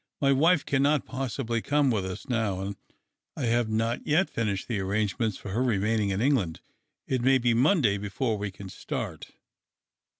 My wife cannot possil)ly come with us now, and I have not yet finished the arrangements for her remainino; in Enp'land. It may be Monday before we can start."